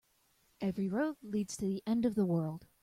Every road leads to the end of the world.